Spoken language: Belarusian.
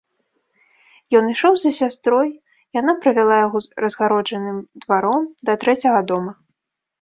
Ён ішоў за сястрой, яна правяла яго разгароджаным дваром да трэцяга дома.